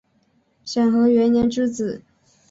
享和元年之子。